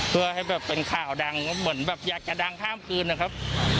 เพื่อให้แบบเป็นข่าวดังเหมือนแบบอยากจะดังข้ามคืนนะครับ